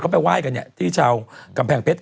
เขาไปไหว้กันที่เช้ากำแพงเพชร